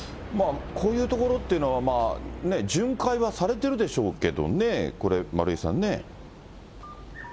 こういう所っていうのは、巡回はされてるでしょうけどね、これ、丸井さんね。